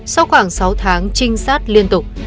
sau khoảng sáu tháng trinh sát liên tục